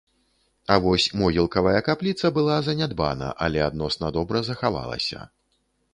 А вось могілкавая капліца была занядбана, але адносна добра захавалася.